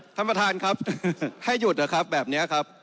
ท่านประธานครับให้หยุดนะครับแบบนี้ครับ